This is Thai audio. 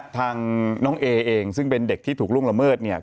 ทางน้องเอเองซึ่งเป็นเด็กที่ถูกล่วงละเมิดเนี่ย